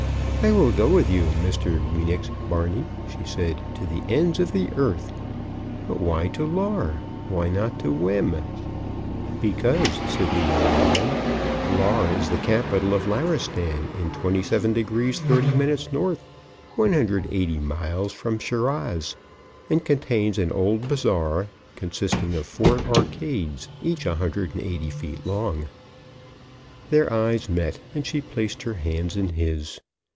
"I will go with you Mr. Weenix Barney," she said, "to the ends of the earth. But why to Lar? Why not to Wem?" "Because," said the young man, "Lar is the capital of Laristan, in 27 degrees, 30 minutes N., 180 miles from Shiraz, and contains an old bazaar consisting of four arcades each 180 feet long." Their eyes met, and she placed her hands in his.